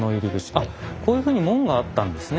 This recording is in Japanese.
あっこういうふうに門があったんですね